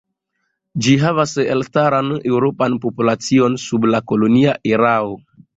Ĝi havis elstaran eŭropan populacion sub la kolonia erao.